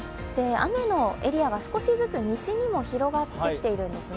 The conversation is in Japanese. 雨のエリアが少しずつ西にも広がってきているんですね。